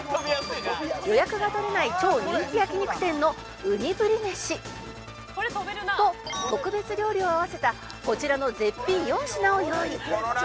「予約が取れない超人気焼き肉店のうにブリめし」「と特別料理を合わせたこちらの絶品４品を用意」